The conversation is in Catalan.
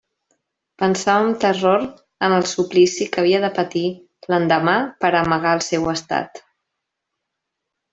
Pensava amb terror en el suplici que havia de patir l'endemà per a amagar el seu estat.